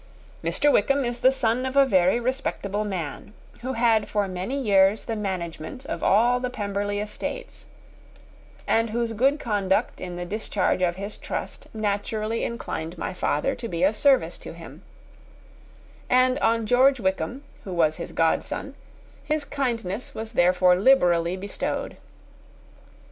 Mr. Wickham is the son of a very respectable man, who had for many years the management of all the Pemberley estates, and whose good conduct in the discharge of his trust naturally inclined my father to be of service to him; and on George Wickham, who was his godson, his kindness was therefore liberally bestowed.